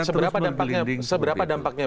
terus berlinding seperti itu seberapa dampaknya